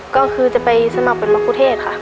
ก็คือจะไปสมัครเป็นมะคุเทศค่ะ